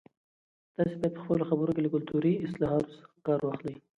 تاسي باید په خپلو خبرو کې له کلتوري اصطلاحاتو کار واخلئ.